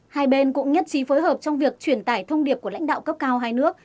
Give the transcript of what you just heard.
hai bên cũng nhất trí phối hợp trong việc truyền tải thông điệp của lãnh đạo cấp cao hai nước